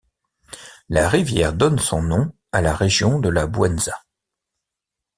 La rivière donne son nom à la région de la Bouenza.